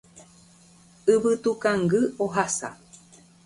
Yvytukangy ohasa